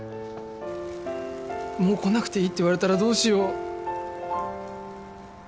もう来なくていいって言われたらどうしよう